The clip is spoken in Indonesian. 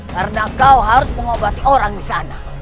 karena kau harus mengobati orang di sana